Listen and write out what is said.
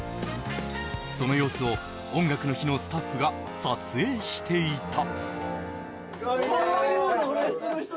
その様子を「音楽の日」のスタッフが撮影していた。